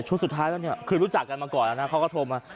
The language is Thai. สุดท้ายแล้วเนี่ยคือรู้จักกันมาก่อนแล้วนะเขาก็โทรมา